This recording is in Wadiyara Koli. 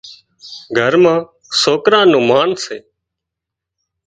گھر مان سوڪريان نُون مانَ سي